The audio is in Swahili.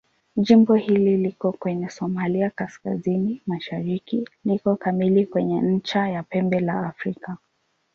Jimbo hili liko kwenye Somalia kaskazini-mashariki liko kamili kwenye ncha ya Pembe la Afrika.